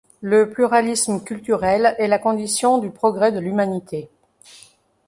Le pluralisme culturel est la condition du progrès de l'humanité.